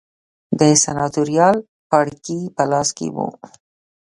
د سناتوریال پاړکي په لاس کې و